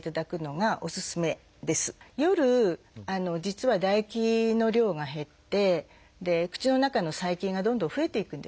夜実は唾液の量が減って口の中の細菌がどんどん増えていくんですね。